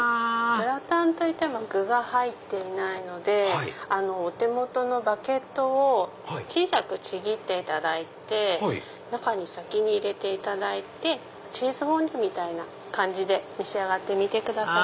グラタンといっても具が入っていないのでお手元のバゲットを小さくちぎっていただいて中に先に入れていただいてチーズフォンデュみたいな感じで召し上がってみてください。